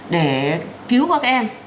để cứu các em